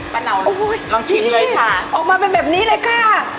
เหนาลองชิมเลยค่ะออกมาเป็นแบบนี้เลยค่ะ